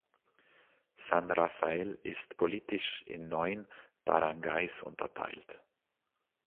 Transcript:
San Rafael ist politisch in neun Baranggays unterteilt.